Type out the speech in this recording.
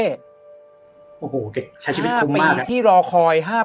โอ้โหเก่งใช้ชีวิตคุ้มมาก